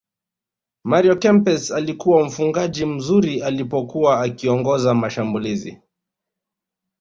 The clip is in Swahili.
mario kempes alikuwa mfungaji mzuri alipokuwa akiongoza mashambulizi